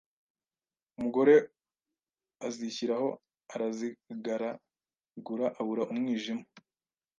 Umugore azishyiraho arazigaragura abura umwijima